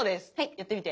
やってみて。